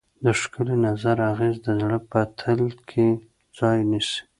د ښکلي نظر اغېز د زړه په تل کې ځای نیسي.